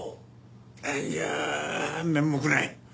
いやあ面目ない。